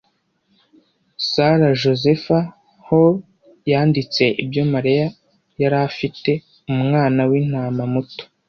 Sarah Josepha Hall yanditse ibyo Mariya yari afite umwana w'intama muto